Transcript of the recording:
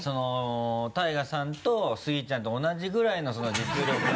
ＴＡＩＧＡさんとスギちゃんと同じぐらいの実力の。